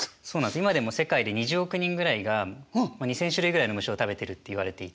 今でも世界で２０億人ぐらいが２，０００種類ぐらいの虫を食べてるっていわれていて。